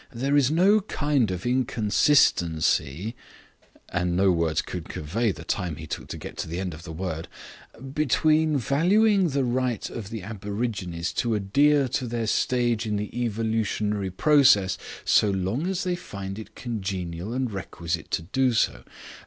There is no kind of inconsistency" and no words can convey the time he took to get to the end of the word "between valuing the right of the aborigines to adhere to their stage in the evolutionary process, so long as they find it congenial and requisite to do so.